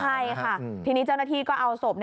ใช่ค่ะทีนี้เจ้าหน้าที่ก็เอาศพ